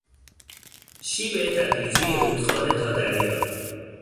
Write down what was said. شیب تدریجی رودخانه تا دریا